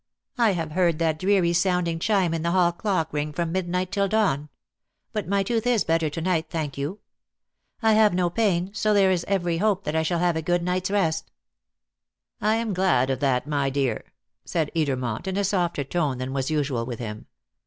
I have heard that dreary sounding chime in the hall clock ring from midnight till dawn. But my tooth is better to night, thank you. I have no pain, so there is every hope that I shall have a good night's rest." "I am glad of that, my dear," said Edermont in a softer tone than was usual with him.